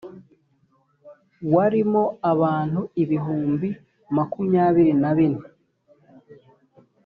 warimo abantu ibihumbi makumyabiri na bine